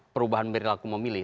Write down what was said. perubahan perilaku memilih